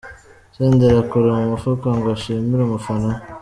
Senderi akora mu mufuka ngo ashimire umufana we.